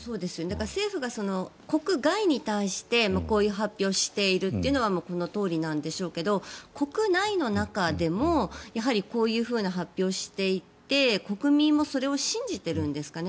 政府が国外に対してこういう発表をしているというのはこのとおりなんでしょうけど国内でもやはりこういう発表をしていて国民もそれを信じてるんですかね？